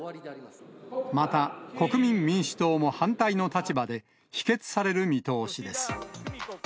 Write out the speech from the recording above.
また、国民民主党も反対の立場で、否決される見通しです。